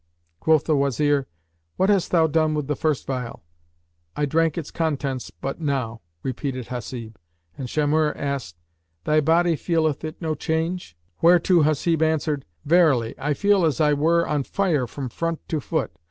Quoth the Wazir, "What hast thou done with the first phial?" "I drank its contents but now," replied Hasib, and Shamhur asked, "Thy body feeleth it no change?"; whereto Hasib answered, "Verily, I feel as I were on fire from front to foot."